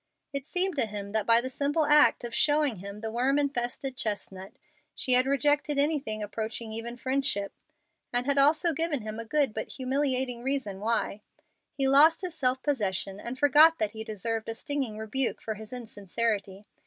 It seemed to him that, by the simple act of showing him the worm infested chestnut, she had rejected anything approaching even friendship, and had also given him a good but humiliating reason why. He lost his self possession and forgot that he deserved a stinging rebuke for his insincerity.